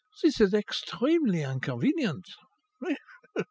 This is extremely inconvenient.